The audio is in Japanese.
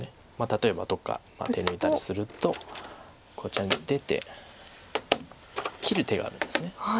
例えばどっか手抜いたりするとこちらに出て切る手があるんです。